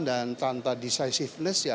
dan tanpa decisiveness ya